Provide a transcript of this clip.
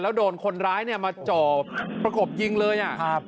แล้วโดนคนร้ายมาจ่อประกมย์ยิงเลย